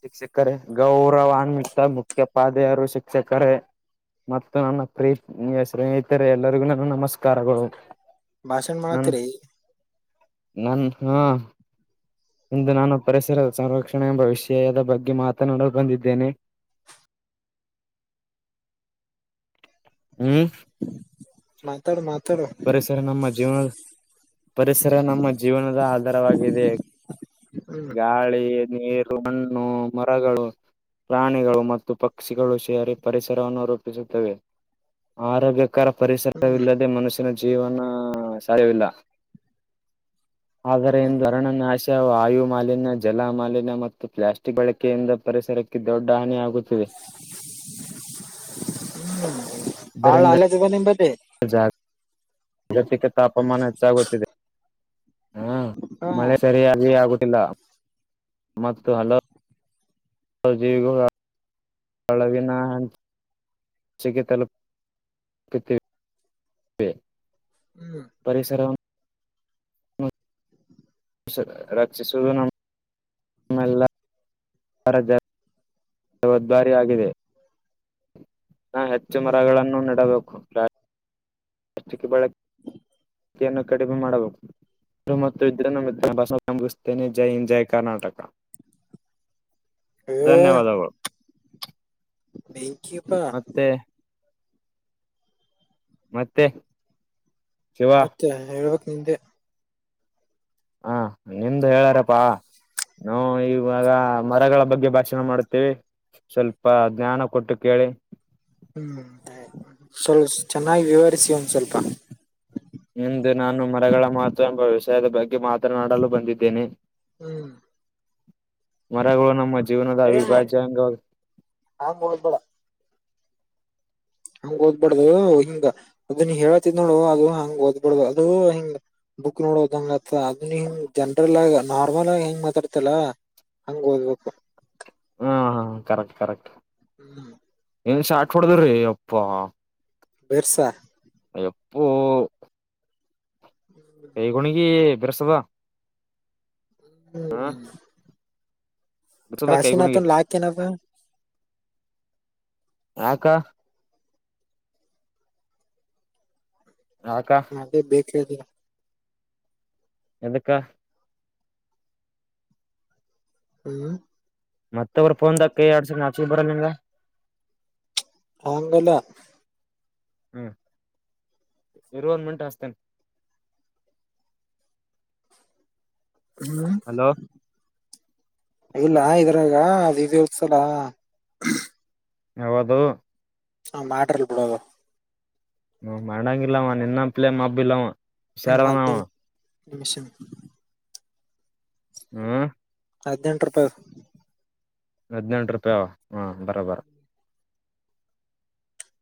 ಶಿಕ್ಷಕರೇ ಗೌರವಾನ್ವಿತ ಮುಖ್ಯ ಪಾದೆಯರು ಶಿಕ್ಷಕರೇ ಮತ್ತು ನನ್ನ ಪ್ರೀತಿಯ ಸ್ನೇಹಿತರೆ ಎಲ್ಲರಿಗೂ ನನ್ನ ನಮಸ್ಕಾರಗಳು ಭಾಷಣ ನನ್ ಮಾತ್ರಿ ನನ್ ಹ್ಮ ಇಂದು ನಾನು ಪರಿಸರ ಸಂರಕ್ಷಣೆ ಎಂಬ ವಿಷಯದ ಬಗ್ಗೆ ಮಾತನಾಡ ಬಂದಿದ್ದೇನೆ [inaudible] ಹ್ಮ್ ಮಾತಾಡ ಮಾ ಪರಿಸರ ನಮ್ಮ ಜೀವನ ಪರಿಸರ ನಮ್ಮ ಜೀವನದ ಆಧಾರವಾಗಿದೆ ಹ್ಮ್ ಗಾಳಿ ನೀರು ಮಣ್ಣು ಮರಗಳು ಪ್ರಾಣಿಗಳು ಮತ್ತು ಪಕ್ಷಿಗಳು ಸೇರಿ ಪರಿಸರವನ್ನು ರೂಪಿಸುತ್ತವೆ ಆರೋಗ್ಯ ಸಕಾರ ಹ್ಮ್ ಪರಿಸರವಿಲ್ಲದೆ ಮನುಷ್ಯನ ಜೀವನ ಸಧ್ಯವಿಲ್ಲ ಆದರೆ ಇ ರಣ ನಾಶ ವಾಯು ಮಾಲಿನ್ಯ ಜಲ ಮಾಾಲನ್ಯ ಮತ್ತು ಪ್ಲಾಸ್ಟಿಕ್ ಬಳಕೆಯಿಂದ ಪರಿಸರಕ್ಕೆ ದೊಡ್ಡ ಹಾನಿ ಆಗುತ್ತಿದೆ [inaudible] ಹ್ಮ ಹಾಳ ಅಲ್ಲವ ನಿ ಬ ಜಾಗತಿಕ ತಾಪಮಾನ ಹೆಚ್ಚಾಗುತ್ತಿದೆ ಹಾ ಹಾ ಮಳೆ ಸರಿಯಾಗಿ ಆಗುುತ್ತಿಲ್ಲ ಮತ್ತು ಹಲೋ ಜೀವಿಗ ಕಳಗಿನ ಹೆ ಚಿಕ ತಲು ಹ್ಮ್ ಪರಿಸರವನ್ನು ರಾಚಿ ಸುಧನ ನಮ್ಮೆಲ್ಲ ಜ ಜವಾದ್ದಾರಿಯಾಗಿದೆ ನಾ ಹೆಚ್ಚು ಹ್ಮ್ ಮರಗಳನ್ನು ನೆಡಬೇಕು ಪ್ಾಸ್ಕ್ ಬಳಕೆ ನ್ನು ಕಡಿಮೆ ಮಾಡಬೇಕು ಮತ್ತು ಇದ್ರೆ ನ ಮ ಭಾಷಭಿಸ್ುತ್ತೇನೆ ಜೈ ಇ ಜೈ ಕರ್ನಾಟಕ ಧನ್ಯವಾದಗಳು ಬೆಂಕಪ್ಪ ಮತ್ತೆ ಮತ್ತೆ ಶಿವ ನಿಗೆ ಹಾ ನಿಮ್ದು ಹೇಳಾರಪ್ಪಾ ನಾವು ಇವಾಗ ಮರಗಳ ಬಗ್ಗೆ ಭಾಷಣ ಮಾಡುತ್ತೇವಿ ಸ್ವಲ್ಪ ಜ್ಞಾನ ಕೊಟ್ಟು ಕ ಮಳೆ ಹ್ಮ್ ಸ್ವಲ್ ಚೆನ್ನಾಗಿ ವಿವರಿಸಿ ಒಂದ ಸ್ವಲ್ಪ ಇಂದು ನಾನು ಮರಗಳ ಮಹತ್ವ ಎಂಬ ವಿಷಯದ ಬಗ್ಗೆ ಮಾತನಾಡಲು ಬಂದಿದ್ದೇನೆ ಹ್ಮ್ ಮರಗಳು ನಮ್ಮ ಜೀವನದ ಏ ಅವಿಭಾಜ್ಯಂಗ ಹಂಗ್ ಓದ್ಬೇಡ ಹಂಗ್ ಓದ್ಬಡ್ದು ಹಿಂಗ ಅದ ನೀ ಹೇಳ್ತಿದ್ ನೋಡು ಅದು ಹಂಗ್ ಓದ್ಬಾರಡ್ದು ಅದು ಹಿಂಗ ಬುಕ್ ನೋಡೋದಂಗತ್ತ ಅದುಂಗ್ ಜನ್ರಲ್ ಆಗ ನಾರ್ಮಲ್ ಆಗಿ ಹೆಂಗ್ ಮಾತಾಡ್ತಲ್ಲ ಹಂಗ್ ಓದ್ಬೇಕು ಹಾ ಹಾ ಕರೆಕ್ಟ್ ಕರೆಕ್ಟ್ ಹ್ಮ್ ಏನ್ ಶಾಟ್ ಕೊಡದ್ರಿ ಅಪ್ಪ ಬರ್ಸಾ ಎಪ್ಪೋ ಕೈಗಣಗಿ ಬಿರೆಸದ ಹ್ಮ್ ದ ಕೈ ಗುಣಿಗೆ ಕಾಶಿನಾಥನ್ ಲಾಕ್ ಏನದ ಯಕ ಯಾಕ ಹಾಗದೇ ಬೇಕ ಎದಕ್ಕ ಹ್ಮ್ ಮತ್ತೊಬ್್ರ ಫೋನ್ದಾಕ ಕೈ ಆಡ್ಸ ಆಾಚಿಗೆ ಬರಲ್ ನಿಂಗ ಆಂಗಲ ಹ್ಮ ಇರುವನ್ ಮಂಟ ಹತೇನೆ ಹ್ಮ್ ಹಲೋ ಇಲ್ಲ ಇದ್ರಾಗ ಅದು ದಸಲ ಹೌದು ಹ ಮಾಟಲ್ ಬಿಡೋದು ಹ ಮಾಡಂಗಿಲ್ಲವ ನಿನ್ನ ಪ್ಲೇ್ ಹಬ್ಬಿಲ್ಲವ ಹುಷಾರನವ ನಿಮಿಷನ್ ಹ್ಮ ಹದಿನೆಂಟು ರೂಪಾಯಿ ಹದಿನೆಂಟು ರೂಪಾಯ ಹಾ ಬರ ಬರ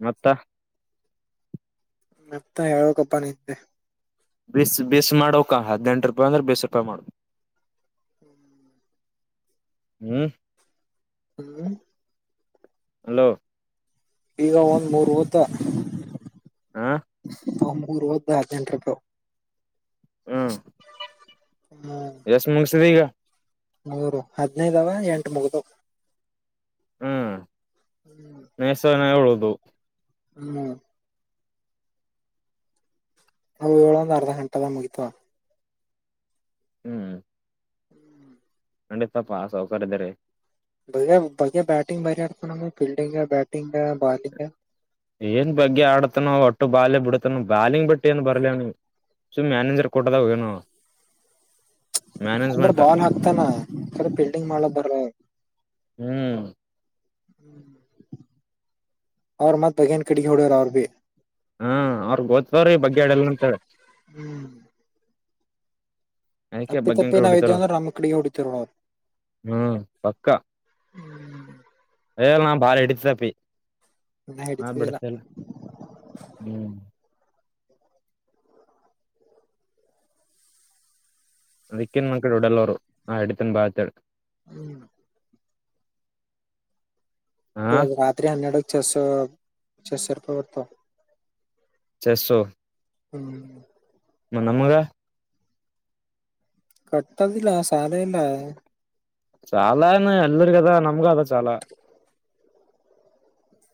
ಮತ್ತ ಮತ್ತ ಯು ಕಬ್ಬ ನಿ್ದೆ ಬಿಸ ಬಿಸ ಮಾಡೋಕ ಹದ್ಿನೆಂಟು ರೂಪಾಯಿ ಅಂದ್ರೆ ಬೀಿಸ ರೂಪಾಯಿ ಮಾಡು ಹ್ಮ್ ಹ್ಮ್ ಹ್ಮ್ ಹ್ಮ್ [unintelligible] ಹಲೋ ಈಗ ಒಂದ್ ಮೂರ್ ಮೂತ್ತ ಹ ಮೂರುರುವತ್ತು ಹದಿನಂಟ ರೂಪಾಯ್ ಹ್ಮ್ ಎಷ್ಟ ತುಮ್ ಸಿದ ಈಗ ಮೂೂರು ಹದ್ನೈದವ ಎಂಟು ಮುಗ್ದ ಹ್ಮ್ ನೇಸನ ಉಳದು ಹ್ಮ್ ನವು ಏಳೊ ಒಂದು ಅರ್ಧ ಗಂಟೆದ ಮುಗಿತವ ಹ್ಮ್ ಖಂಡಿತಪ್ಪಾ ಸೌಕರ್ಯದ ರೀ ಬ ಬಗೆ ಬ್ಯಾಟಿಂಗ್ ಬಾರಿ ಆಡ್ತ ನಮ್ಮ ಫೀಲ್ಡಿಂಗ್ ಬ್ಯಾಟಿಂಗ್ ಬಾಲಿಂಗ್ ಏನ್ ಬಗ್ಗೆ ಆಡತನ ಒಟ್ಟು ಬಾಲ್ ಬಿಡತನ ಬಾಲಿಂಗ್ ಬಿಟ್ಟ ಏನ್ ಬರ್ಲವ್ ನೀ ಸು ಮ್ಯಾನೇಜರ್ ಕೊಟ್ಟದಾವ ಏನು ಅಂದ್ರೆ ಮ್ಯಾನೇಜ್ಮೆಂಟ್ ಬಾಲ್ ಹಾಕ್ತಾನ ಫೀಲ್ಡಿಂಗ್ ಮಾಡ್ಲ ಬರ್ರ ಹ್ಮ್ ಅವ ಮಾ ತಗನ್ ಕಡಿ ಹಡ ರ ಅವ ಬಿ ಹಾ ಅವ್ರಗ್ ಗೋದತ್ತತವ್ರಿ ಬಗ್ಗೆ್ಯಾಡಲ್ಲ ಅಂತ ಹೇಳಿ ಹ್ಮ್ ಆಯ್ಕೆ ತಪ್ಪಿ ಬಗ್ಗೆಂಕ ತಪ್ಪಿ ನಾವ್ ಹೊಡಿತಾರ ಇದೇವ ಅವರು ಅಂದ್ರ ನಮ್ ಕಡೆಗೆ ಹೊಡಿತಿರ್ ಅವ್ರು ಹ್ಮ್ ಪಕ್ಕ ಹ್ಮ್ ನಾ ಬಾಳ ಇಡ್ತಿದಪ್ಪಿ ಇನ್ನ ಹಾ ಹಿಡಿತಿದಿಲ್ಲ ಬಡಸಲ್ಲ ಹ್ಮ್ ಅದಕ್ಕನ್ ಮಕ್ಕಳು ಉಡಲೋರು ಆ ಅಡತನ್ ಬಾತಾಡ್ ಹ್ಮ್ ಹಾ ರಾತ್ರಿ ಹನ್ನೆರಡು ಚಸ್ ಚಸ್ ರೂಪಾಯಿ ಬರ್ತ ಚ ಸು ಹ್ಮ್ [unintelligible] ಮ ನಮ್ಮಗ ಕಟ್ಟದಲ್ಲ ಸಾಲ ಇಲ್ಲ ಚಾಲಏನು ಎಲ್ರಿಗದ ನಮ್ಗ ಅದ ಚಾಲ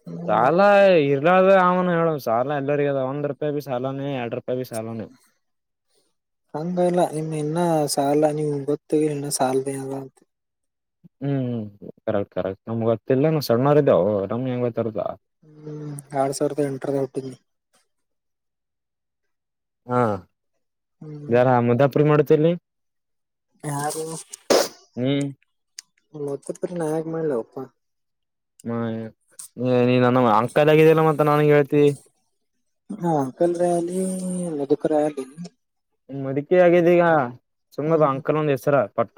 ಹ್ಮ್ ಸಾಲ ಇರ್ಲಾದ ಅವನು ಹೇಳ ಸಾಲ ಎಲ್ಲರಿಗದ ಒಂದ್ ರೂಪಾಯಿ ಬಿ ಸಾಲಾನೇ ಎರಡ್ ರೂಪಾಯಿ ಬಿ ಸಾಲಾನೇ ಹಂಗಲ್ಲ ಇನ್ನ ಸಾಲ ಅ ಮುಂಬತ್ತುತ್ತುಣ ಸಾಲ ದಲ್ಲ ಹ್ಮ್ ಕರೆಕ್ಟ್ ಕರೆಕ್ಟ್ ನಮ್ಗ್ ಗೊತ್ತಿಲ್ಲ ನ ಸಣ್ಣರ್ ಇದೇವು ನಮ್ ಹೆಂಗ ಬತಾರದ ಹ್ಮ್ ಆಡ್ ಸಾವಿರದ ಎಂಟರ ಒಟ್ಟುನ ಹಾ ಹ್ಮ್ ಯಾರ ಮುದಾಪುರಿ ಮಾಡತಲ್ಲಿ ಹಾ [unintelligible] ಮತ್ತ ಪರಿ ನ ಯಾಗ ಮಾಡ್ಲ ಒಪ್ಪ ಹ್ಮ ನೀ ನಮ್ಮ ಅಂಕಲ್ ಆಗಿದಲ್ಲ ಮತ್ತ ನಾಗೆ ಹೇಳ್ತೀ ಬ ಮದಕಿ ಆಗಿದೀಗ ಸುಮ್ಮದು ಹ್ಮ್ ಅಂಕಲ್ ಒಂದ್ ಹೆಸರ ಪಟ್ಟ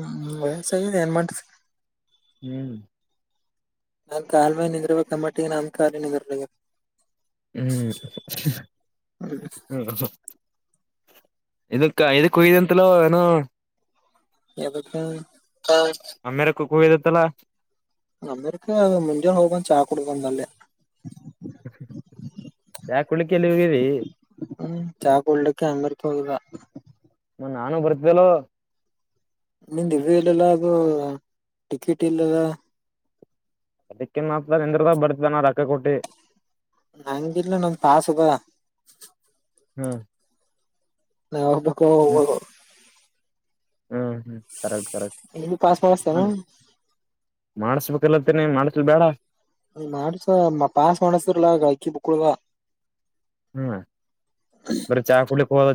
ಹ್ಮ್ ವಯಸ ಏನ್ ಮಾಡ ಹ್ಮ್ [unintelligible] ನಾನ್ ಕಾಲ್ ಮ್ಯಾಲ ನಿಂದ್ರ್ಬೇಕ್ ಅಬ್ಬಮಟ್ಟಿಗಿ ನನ್ನ ಕಾಲ ನಿಂದ್ರಲ ಆಗ್ಯದ. ಹ್ಮ್ ಹ್ಮ. ಇದಕ್ಕ ಇದಕ್ಕ ಹೋಗಿದಂತಲೊ ಏನೂ. ಯದಕ್ಕ. ಅಮೆರಿಕಕ್ ಹೋಗಿದಂತಲ್ಲ. ಅಮೇರಿಕಾ ಮುಂಜಲ್ ಹೋಗಿ ಚಾ ಕುಡಿದು ಬಂದೆ ಅಲ್ಲಿ. ಯಾ [unintelligible] ಚಾ ಕುಡಿಲಿಕ ಅಮೇರಿಕಾಕ ಹೋಗಿದ್ದ. ಮ ನಾನು ಬರ್ತಿದ್ದಲ್ಲೋ. ನಿಂದು ಇದು ಇಲ್ಲಲ, ಅದು ಟಿಕೀಟ್ ಇಲ್ಲಲ್ಲ, ಅದಕ್ಕನ್ತ ನಿಂದರ್ಲಕ್ಕ ಬರ್ತಿದ್ದೆ ರೊಕ್ಕ ಕೊಟ್ಟಿ. ನಂದಿಲ್ಲ ನಂದು ಪಾಸದ. ಹ್ಮ್. ಯಾವಾಗ್ ಬೇಕ್ ಅವಾಗ ಹ್ಮ್ ಹೋಗೋದು. ಹ್ಮ್ ಹ್ಮ್ ಕರೆಕ್ಟ್ ಕರೆಕ್ಟ್ ಇಲ್ಲಿ ಪಾಸ್ ಹ ಮಾಡಿಸ್ತಾನ ಮಾಡಸಬೇ ಅದೇ ಅನ್ನತೀನಿ. ಮಾಡಸ್ಲಿ ಬೇಡ, ಮಾಡಸ ಪಾಸ್ ಮಾಡಸ್ಸರ್ಲ ಗಾಯಕಿ ಬುಕ್ಳುವ. ಹ್ಮ್ ಬರೇ ಚಾ ಕುಡಿಲಿಕ್ಕಿ [unintelligible]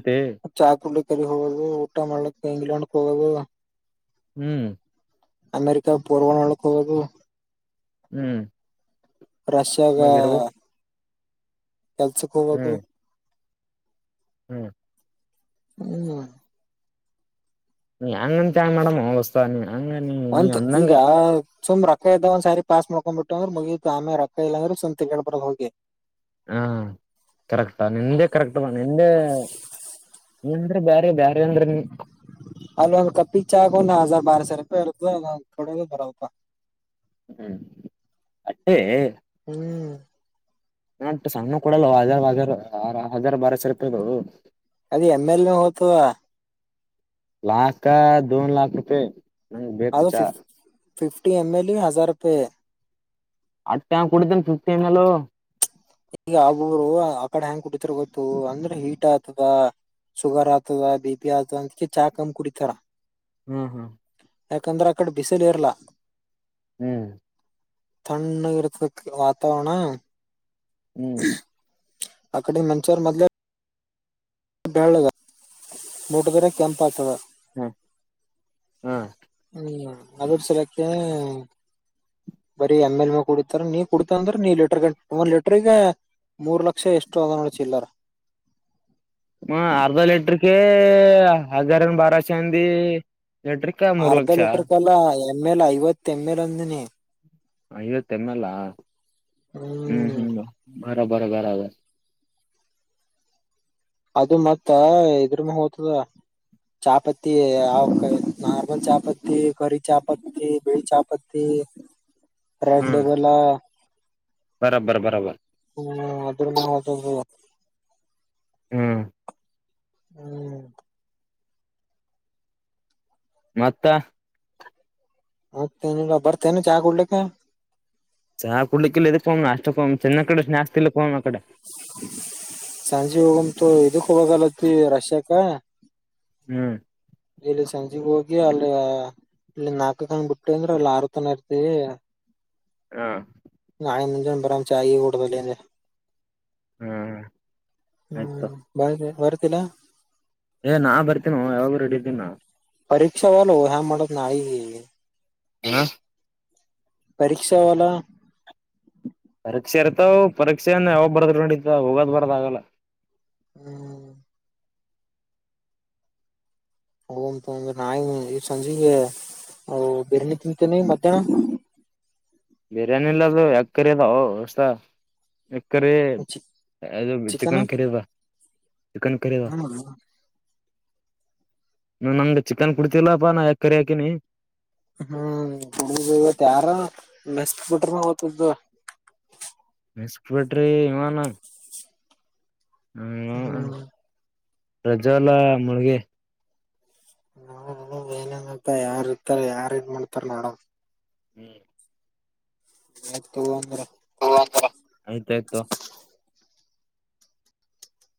ಚಾ ಕೂಡ್ಲಿಕಿ ಅಲ್ಲಿಗಿ ಹೋಗೋದು. ಊಟ ಮಾಡ್ಲಕ್ಕ ಇಂಗ್ಲೆಂಡ್ಕ್ ಹೋಗೋದು. ಹ್ಮ್. ಅಮೇರಿಕ ಪೂರ್ವ [unintelligible] ಹೋಗದು ಹ್ಮ್. ರಷ್ಯಾಗ, ಮ ಗಿಡಗು ಕೆಲ್ಸಕ್ ಹೋಗೋದು. ಹ್ಮ್ ಹ್ಮ್. ಹ್ಮ್. ನೀ ಹೆಂಗಂತಿ ಹಂಗ್ ಮಾಡಮ್ ಹೂ [unintelligible] ಅಂತ ಈಗ, ಸುಮ್ ರೊಕ್ಕ ಇದ್ಗ ಒಂದ್ ಸಾರಿ ಪಾಸ್ ಮಾಡ್ಕೊಂಡ್ಬಿಟ್ಟೆವು ಅಂದ್ರ ಮುಗಿತು ಆಮೆಗ ರಕ್ಕ ಇಲ್ಲಂದ್ರ ಸುಮ್ ತಿರಗಾಡಿ ಬರೋದ ಹೋಗಿ. ಹ್ಮ್ ಕರೆಕ್ಟ್ ಆದ ನಿಂದೇ ಕರೆಕ್ಟ್ ನೋಡ್ ನಿಂದೆ ನಿಂದ್ [unintelligible] ಸರಪ ಇರುತ್ತ ನಾ [unintelligible] ಹ್ಮ್ ಅಟ್ಟೆ, ಹ್ಮ್. ನಾ ಸಣ್ಣವು ಕೊಡಲ್ ಹಾರ ಬಾರ ಸೌ ರೂಪಾಯಿದು. ಅದ ಎಂಎಲ್ನು ಹೊತದ. ಲಾಖ ದೊ ಲಾಖ ರೂಪಾಯಿ ಹ ಬೇಕು ಅದು ಚಾ. ಫಿಫ್ ಫಿಫ್ಟಿ ಎಮ ಎಲ್ಗಿ ಇ ಹಜಾರ ರೂಪೈ. ಅಟ್ಟ ಯಾವ್ ಕುಡಿತನ ಫಿಸ್ಟಿ ಎಂಲೂ. ಈಗ ಆಗರು ಆ ಕಡೆ ಎಂಗ್ ಕುಟ್ಟಿತಾರ ಗೊತ್ತು ಅಂದ್ರೆ ಹೀಟ್ ಆತದ, ಶುಗರ್ ಆಗ್ತದ, ಬಿ ಪಿ ಆಗ್ತದ, ಅಂದ್ಕೆ ಚಾ ಕಮ್ ಕುಡಿತಾರ. ಹ್ಮ್ ಹ್ಮ್. ಯಾಕಂದ್ರೆ ಆಕಡ ಬಿಸಿಲು ಇರ್ಲಾ. ಹ್ಮ್. ತಣ್ಣಗ ಇರ್ತದ ಕ ವಾತಾವರಣ. ಹ್ಮ್. ಅಕಿಡಿನ್ ಮನುಷ್ಯರು ಮೊದ್ಲೆ, ಬೆಳ್ಳಗ ಮುಟ್ಟದ್ರೆ ಕೆಂಪ ಆಗ್ತದ. ಹ್ಮ್, ಹ್ಮ ಹ್ಮ ಅದ್ರ ಸಲೆಕೆ, ಬರೀ ಎಮ್ ಎಲ್ ಮ ಕುಡಿತಾರ ನೀ ಕುಡತಂದ್ರ ನೀ ಲೀಟರ್ ಗ ಒಂದ್ ಲೀಟರ್ಗ. ಮೂರ್ ಲಕ್ಷ ಎಷ್ಟು ಅದ ನೋಡ ಚಿಲ್ಲಾರ್. ಗೆ...... ಹಜಾರ ಬಾರಶ ಅಂದಿ. ಲೀಟ್ರಕ ಮೂರ್ ಅರ್ಧ ಲಕ್ಷ ಲೀಟರ್ಕೆಲ್ಲಾ ಎಮ್ ಎಲ್ ಐವತ್ ಎಮ್ ಎಲ್ ಅಂದಿನಿ. ಐವತ್ತ ಎಮ್ ಎಲ್ ಹ್ಮ್ ಹ್ಮ್ ಬರಬರ ಬರಬರ ಆದಾ. ಅದು ಮತ್ತ ಇದ್ರ ಮ್ಯಾಹ ಹೋತದ. ಚಾಪತ್ತಿ ಯಾವ ನಾರ್ಮಲ್ ಚಾಪತ್ತಿ ಕರಿ ಚಾಪತ್ತಿ ಬಿಳಿ ಚಾಪಾತ್ತಿ. ತ್ತಿ ರೆಡ್ ಹ್ಮ್ ಲೇಬಲ್ ಹ. ಬರಬ್ಬರ ಬರಬರ ಹ್ಮ ಅದ್ರ ಮ್ಯಾಹ ಹೋತಾದಿದು. ಹ್ಮ್. ಹ್ಮ್. ಮತ್ತ. ಮತ್ತೆನಿಲ್ಲ ಬರ್ತೇನೆ ಚಾ ಕುಡ್ಲಿಕ. ಚಾ ಕುಡ್ಲಿಕ್ಕ ಇಲ್ಲೋ ಇದಕ್ಕೆ ನಾಷ್ಟಕ್ ಹೋಗಮ್ ತಿನ್ಲಕ್ ಇಡು ಸ್ನಾಕ್ಸ್ ತಿನ್ಲಿಕ್ ಹೋಗಮ್ ಆ ಕಡೆ. ಸಂಜೆ ಹೋಗಮ ತೋ ಇದಕ್ ಹೋಗಲ್ಲತ್ ತಿ ರಷ್ಯಾಕ್ಕ. ಹ್ಮ್. ಇಲ್ಲಿ ಸಂಜೆ ಹೋಗಿ ಅಲ್ಲಿ. ಇಲ್ಲಿ ನಾಲ್ಕುಕ್ ಹಂಗ್ ಬಿಟ್ಟವಿ ಅಂದ್ರ ಅಲ್ಲಿ ಆರು ತನ ಇರ್ತಿವಿ. ಹಾ. ಆಯ್ತು ಮುಂಜಾನೆ ಬರಮ್. ಚಾಯ ಹ್ಮ್ ಹ್ಮ. ಆಯ್ತು [unintelligible] ದಿನ. ಏ ನಾ ಬರ್ತೀನೊ ಯಾವಾಗೂ ರೆಡಿ ಇದಿನಿ ನಾ. ಪರಿಕ್ಷೆ ಅವಲೋ ಹೆಂಗ ಮಾಡೋದು ನಾಳಿಗಿ. ಹೇಲೋ. ಪರೀಕ್ಷಾ ಅವಲ. ಪರೀಕ್ಷೆ ಇರ್ತಾವ ಪರೀಕ್ಷೆ ಏನು ಯಾವಾಗ ಬರ್ದದ್ರು ನಡಿಯುತ್ತ ಹೋಗೋದ್ ಬರದ ಆಗಲ್ಲ. ಹ್ಮ್. ಹೋಗಮ್ ತಗೊ ಅಂಗಾರ ನಾಳಿಗೆ ಸಂಜಿಗ. ಓ ಬಿರಿಯಾನಿ ತಿಂತೇನೆ ಮಧ್ಯಾಹ್ನ. ಬಿರಿಯಾನಿ ಇಲ್ಲ ಅದು ಎಗ್ಕರಿ ಅದಾವ ದೋಸ್ತ. ಕರಿ ಚಿ ಅದು ಚಿಕನ್ ಕರಿ ಆದಾ ಬಾ. ಹ್ಮ. ನೀ ನಂಗ್ ಚಿಕನ್ ಕೊಡ್ತಿಲ್ಲಪ್ಪಾ ನಾ ಎಗ್ ಕರಿ ಹಾಕಿನಿ. ಹ್ಮ್ ಇವತ್ತು ಯಾರ ನಷ್ಟ ಬಿಟ್ರ [inaudible] ಮೆಸ್ಕ್ ಬಿಟ್ರಿ ವಿಮಾನ ಹುಂ. ಹ್ಮ್ ಪ್ರಜಾ ಅಲಾ ಮುಳಗೆ. ನ ಏನನ್ತ ಯಾರ್ ಇರ್ತಾರ ಯಾರ್ ಇದು ಮಾಡ್ತಾರ ನೋಡಮ್. ಹ್ಮ್. ಆಯ್ತ್ ತಗೊ ಅಂಗಾರ. ಹ ಆಯ್ತಾಯ್ತು ತೊ.